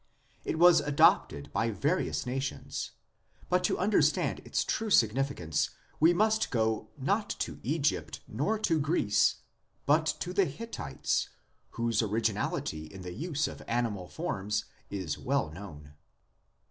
It was adopted by various nations, but to understand its true significance we must go, not to Egypt nor to Greece, but to the Hittites, whose originality in the use of animal forms is well known.